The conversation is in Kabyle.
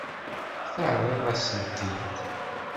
Terriḍ-asen-t-id.